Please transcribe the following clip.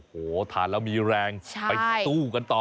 โหทานแล้วมีแรงไปสู้กันต่อ